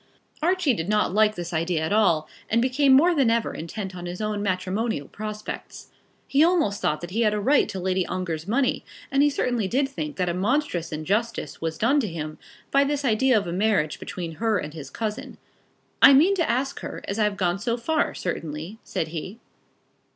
Archie did not like this idea at all, and became more than ever intent on his own matrimonial prospects. He almost thought that he had a right to Lady Ongar's money, and he certainly did think that a monstrous injustice was done to him by this idea of a marriage between her and his cousin. "I mean to ask her as I've gone so far, certainly," said he.